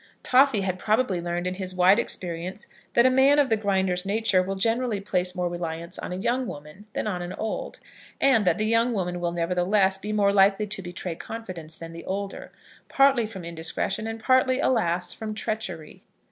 Toffy had probably learned in his wide experience that a man of the Grinder's nature will generally place more reliance on a young woman than on an old; and that the young woman will, nevertheless, be more likely to betray confidence than the older, partly from indiscretion, and partly, alas! from treachery.